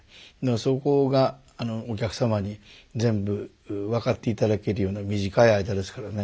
そこがお客様に全部分かっていただけるような短い間ですからね。